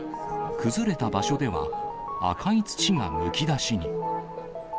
崩れた場所では、赤い土がむき出しに。